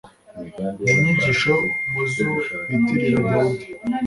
ni inyigisho mu zo bitirira dawudi